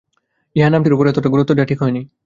ইমা নামটির ওপর এতটা গুরুত্ব দেয়া ঠিক হয় নি।